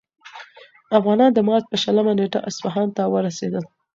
افغانان د مارچ په شلمه نېټه اصفهان ته ورسېدل.